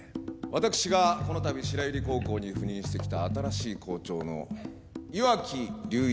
私がこのたび白百合高校に赴任してきた新しい校長の岩城隆一郎です。